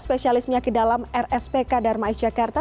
spesialis penyakit dalam rspk dharma east jakarta